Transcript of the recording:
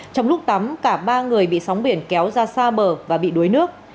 trong lúc tắm cả ba người bị sóng biển kéo ra xa bờ và bị đuối nước